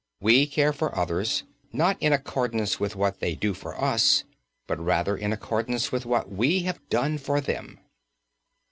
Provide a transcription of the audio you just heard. We care for others, not in accordance with what they do for us, but rather in accordance with what we have done for them.